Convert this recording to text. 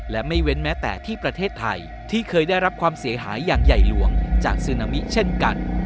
และไม่เว้นแม้แต่ที่ประเทศไทยที่เคยได้รับความเสียหายอย่างใหญ่หลวงจากซึนามิเช่นกัน